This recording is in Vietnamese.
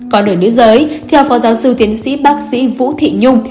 còn ở nữ giới theo phó giáo sư tiến sĩ bác sĩ vũ thị nhung